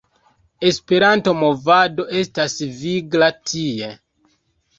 Esperanto-movado estas vigla tie.